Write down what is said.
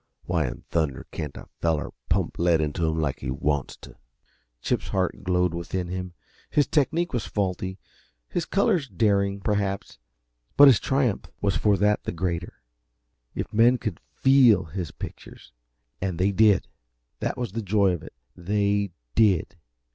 Why in thunder can't a feller pump lead into 'em like he wants t'?" Chip's heart glowed within him. His technique was faulty, his colors daring, perhaps but his triumph was for that the greater. If men could FEEL his pictures and they did! That was the joy of it they did!